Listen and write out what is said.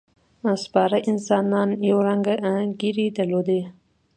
سپاره انسانان یو رنګه ځېرې درلودې.